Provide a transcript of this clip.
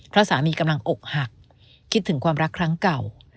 เพราะสามีกำลังอกหักคิดถึงความรักครั้งเก่า